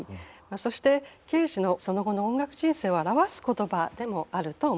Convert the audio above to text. そしてケージのその後の音楽人生を表す言葉でもあると思います。